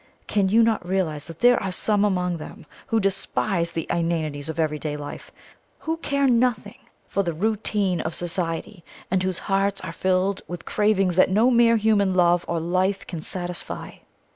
Can you not realize that there are some among them who despise the inanities of everyday life who care nothing for the routine of society, and whose hearts are filled with cravings that no mere human love or life can satisfy?